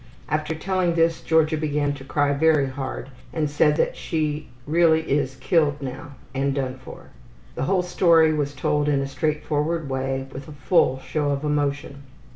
After telling this Georgia began to cry very hard and said that she really is killed now and is done for. The whole story was told in a straightforward way with a full show of emotion.